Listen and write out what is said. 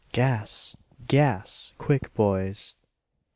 Gas! Gas! Quick, boys!